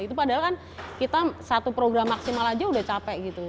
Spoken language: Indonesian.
itu padahal kan kita satu program maksimal aja udah capek gitu